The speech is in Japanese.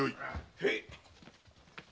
へい。